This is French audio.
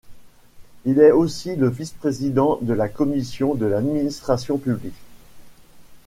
Il est aussi le Vice-président de la Commission de l'administration publique.